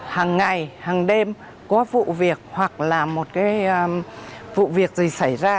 hàng ngày hàng đêm có vụ việc hoặc là một cái vụ việc gì xảy ra